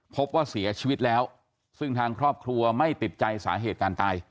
พบว่าเสียชีวิตแล้วซึ่งทางครอบครัวไม่ติดใจสาเหตุการตาย